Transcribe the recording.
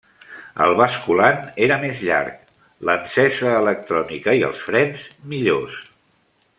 El basculant era més llarg, l'encesa electrònica i els frens, millors.